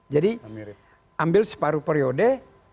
jadi ambil separuh periode